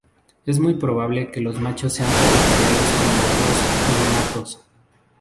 Es muy probable que los machos sean territoriales como otros odonatos.